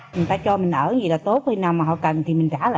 người ta cho mình ở gì là tốt khi nào mà họ cần thì mình trả lại